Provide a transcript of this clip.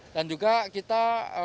dan juga kita